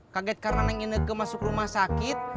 kaget karena neng ineke masuk rumah sakit